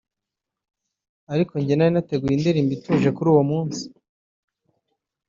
ariko njye nari nateguye indirimbo zituje kuri uwo munsi